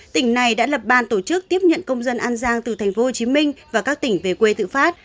tỉnh này đã lập ban tổ chức tiếp nhận công dân an giang từ tp hcm và các tỉnh về quê tự phát